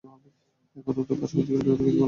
এখানে তো পার্শ্বপ্রতিক্রিয়ার ব্যাপারে কিছু বলা নেই।